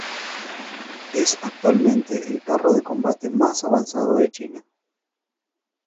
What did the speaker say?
Es actualmente el carro de combate más avanzado de China.